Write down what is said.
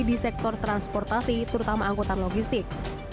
di sektor transportasi terutama angkutan logistik